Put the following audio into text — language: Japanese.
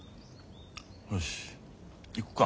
よし行くか。